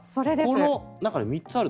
この中に３つある。